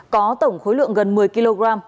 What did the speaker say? có tổng khối lượng gần một mươi kg